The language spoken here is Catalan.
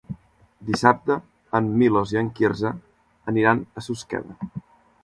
Dissabte en Milos i en Quirze aniran a Susqueda.